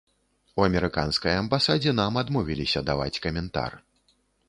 У амерыканскай амбасадзе нам адмовіліся даваць каментар.